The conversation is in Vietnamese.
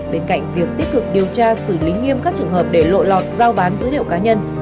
bên cạnh việc tích cực điều tra xử lý nghiêm các trường hợp để lộ lọt giao bán dữ liệu cá nhân